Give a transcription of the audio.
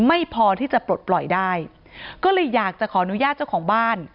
ไม่พอที่จะปลดปล่อยได้ก็เลยอยากจะขออนุญาตเจ้าของบ้าน